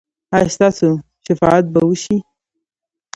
ایا ستاسو شفاعت به وشي؟